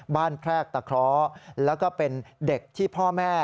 บ้านแพร่กตะเคาะแล้วก็เป็นเด็กที่พ่อแม่